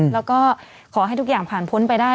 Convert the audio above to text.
แล้วก็ขอให้ทุกอย่างผ่านพ้นไปได้